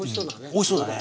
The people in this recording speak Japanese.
おいそうだね。